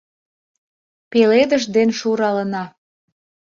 Пеледыш ден шуралына.